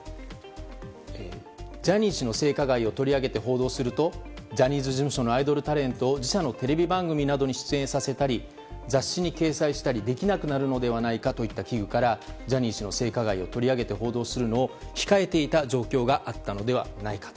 ジャニー市の性加害を取り上げて報道するとジャニーズ事務所のアイドルタレントを自社のテレビ番組などに出演させたり雑誌に掲載したりできなくなるのではといった危惧から、ジャニー氏の性加害を取り上げて報道するのを控えていた状況があったのではないか。